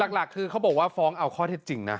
หลักคือเขาบอกว่าฟ้องเอาข้อเท็จจริงนะ